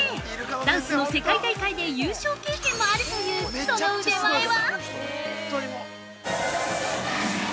ダンスの世界大会で優勝経験もあるという、その腕前は◆